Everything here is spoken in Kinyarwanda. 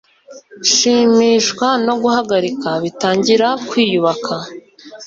shimishwa no guhagarika bitangira kwiyubaka